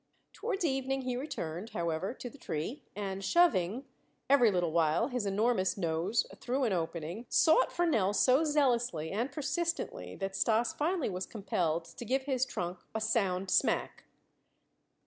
Towards evening he returned, however, to the tree, and shoving, every little while, his enormous nose through an opening, sought for Nell so zealously and persistently that Stas finally was compelled to give his trunk a sound smack.